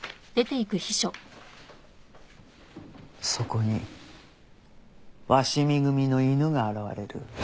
そこに鷲見組の犬が現れる。